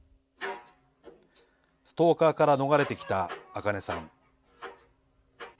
ストーカーから逃れてきたあかねさん。